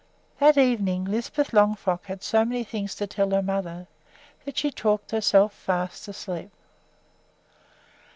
That evening Lisbeth Longfrock had so many things to tell her mother that she talked herself fast asleep!